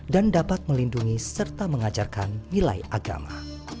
dan dapat melindungi serta mengajarkan nilai agama